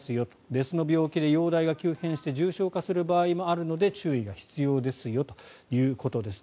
別の病気で容体が急変して重症化する場合もありますので注意が必要ですよということです。